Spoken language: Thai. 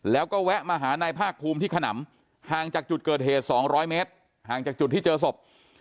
แล้วก็แวะมาหานายภาคภูมิที่ขนำห่างจากจุดเกิดเหตุ๒๐๐เมตรห่างจากจุดที่เจอศพ